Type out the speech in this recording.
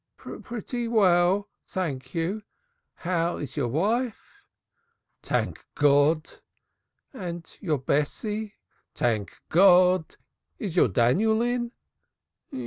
"Pretty well, thank you. How is your wife?" "Tank Gawd!" "And your Bessie?" "Tank Gawd! Is your Daniel in?"